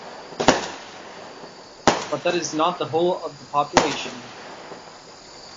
But that is not the whole of the population.